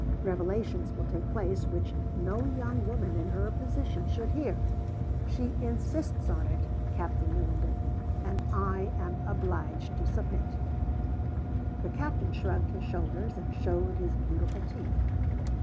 Revelations will take place which no young woman, in her position, should hear. She insists on it, Captain Newenden and I am obliged to submit." The captain shrugged his shoulders, and showed his beautiful teeth.